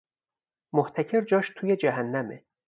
محتکر جاش توی جهنمه